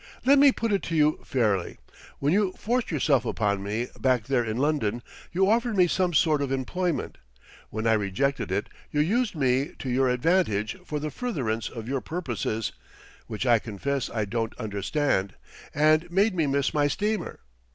Let me put it to you fairly. When you forced yourself upon me, back there in London, you offered me some sort of employment; when I rejected it, you used me to your advantage for the furtherance of your purposes (which I confess I don't understand), and made me miss my steamer.